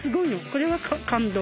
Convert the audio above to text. これは感動。